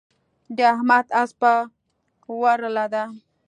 د احمد اسپه ورله ده.